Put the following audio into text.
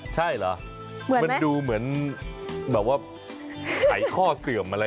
ใช่เหรอมันดูเหมือนแบบว่าไขข้อเสื่อมอะไร